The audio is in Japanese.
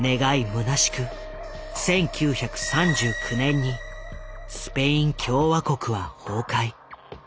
むなしく１９３９年にスペイン共和国は崩壊。